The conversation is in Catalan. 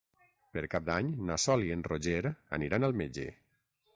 Per Cap d'Any na Sol i en Roger aniran al metge.